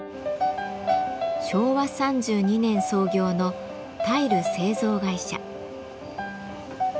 昭和３２年創業のタイル製造会社。